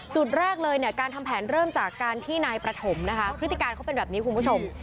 จุดแรกเลยเนี่ยการทำแผนเริ่มจากการที่นายประถมนะคะพฤติการเขาเป็นแบบนี้คุณผู้ชม